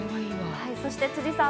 そして辻さん